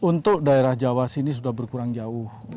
untuk daerah jawa sini sudah berkurang jauh